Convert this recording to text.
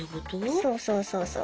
そうそうそうそう。